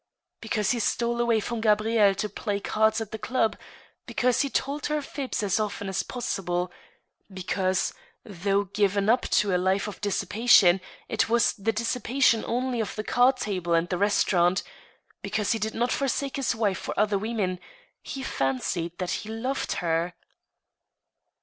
Because he stole away from Gabrielle to play cards at the club ; because he told her fibs as often as possible ; because, though given up to a life of dissipation, it was the dissipation only of the card table and the restaurant ; because he did not forsake his wife for other women — he fancied that he loved her